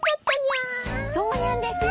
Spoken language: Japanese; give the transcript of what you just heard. そうにゃんですよ！